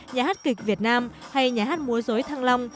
nhà hát kịch việt nam hay nhà hát múa dối thăng long